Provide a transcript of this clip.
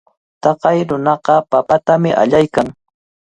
Taqay nunaqa papatami allaykan.